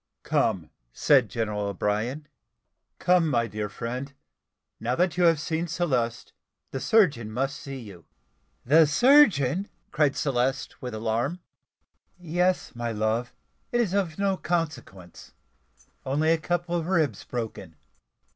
"Come," said General O'Brien; "come, my dear friend, now that you have seen Celeste, the surgeon must see you." "The surgeon!" cried Celeste with alarm. "Yes, my love; it is of no consequence only a couple of ribs broken."